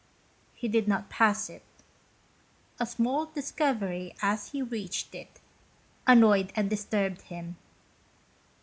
He did not pass it. A small discovery, as he reached it, annoyed and disturbed him.